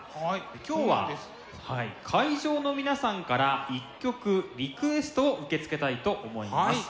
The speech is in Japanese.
今日は会場の皆さんから１曲リクエストを受け付けたいと思います。